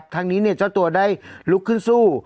ทั้งนี้เจ้าตัวได้ลุกขึ้นสู้